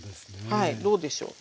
はいどうでしょう。